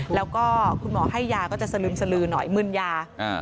แล้วก็คุณหมอให้ยาก็จะสลึมสลือหน่อยมึนยา